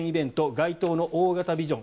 街頭の大型ビジョン